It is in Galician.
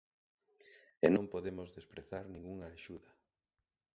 E non podemos desprezar ningunha axuda.